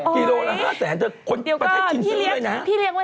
กิโลละห้าแสนและคนประชาชินซึ่งเลยนะที่บอกหมู